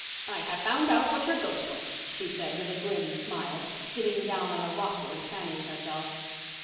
"I have found out what your ghost was," she said, with a grim smile, sitting down on a rocker and fanning herself.